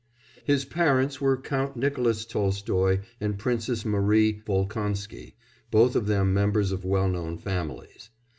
His parents were Count Nicolas Tolstoy and Princess Marie Volkonsky, both of them members of well known families.